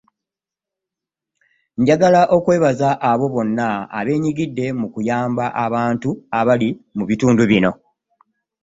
Njagala okwebaza abo bonna abeenyigidde mu kuyamba abantu abali mu bitundu bino